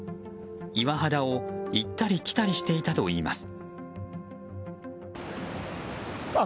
岩肌を行ったり来たりしていたといいます。